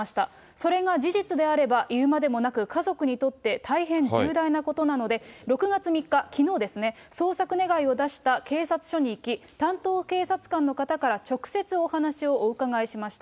それが事実あればいうまでもなく、家族にとって大変重大なことなので、６月３日、きのうですね、捜索願を出した警察署に行き、担当警察官の方から直接、お話をお伺いしました。